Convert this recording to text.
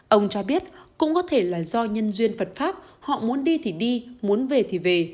ông cho biết cũng có thể là do nhân duyên phật pháp họ muốn đi thì đi muốn về thì về